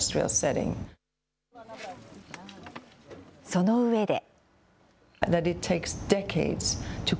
その上で。